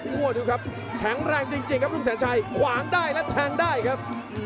โอ้โหดูครับแข็งแรงจริงครับลุงแสนชัยขวางได้และแทงได้ครับ